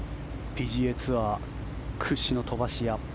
ＰＧＡツアー屈指の飛ばし屋。